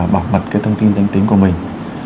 bảo mật thông tin danh tính của mình